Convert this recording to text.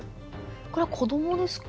これは子どもですか？